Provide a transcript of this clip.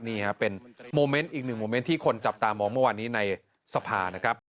นี่เป็นโมเม้นต์อีกหนึ่งโมเม้นต์ที่คนจับตามออกเมื่อวันนี้ในสภา